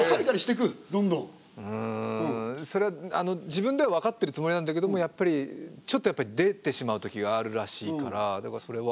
それは自分では分かってるつもりなんだけどもやっぱりちょっとやっぱり出てしまうときがあるらしいからだからそれは。